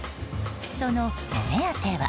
そのお目当ては。